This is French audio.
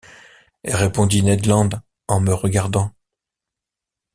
répondit Ned Land en me regardant.